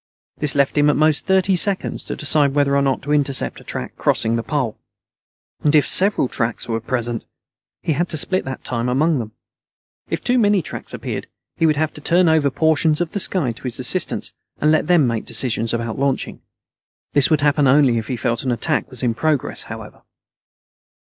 This left him at most thirty seconds to decide whether or not to intercept a track crossing the Pole. And if several tracks were present, he had to split that time among them. If too many tracks appeared, he would have to turn over portions of the sky to his assistants, and let them make the decisions about launching. This would happen only if he felt an attack was in progress, however.